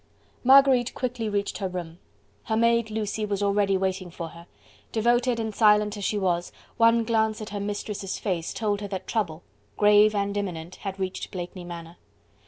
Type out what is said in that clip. Marguerite quickly reached her room. Her maid Lucie was already waiting for her. Devoted and silent as she was, one glance at her mistress' face told her that trouble grave and imminent had reached Blakeney Manor.